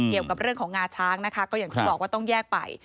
เกี่ยวกับเรื่องของงาช้างนะคะก็อย่างที่บอกว่าต้องแยกไป